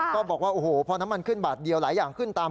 ก็บอกว่าโอ้โหพอน้ำมันขึ้นบาทเดียวหลายอย่างขึ้นตาม